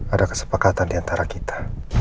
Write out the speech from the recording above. ada kesepakatan diantara kita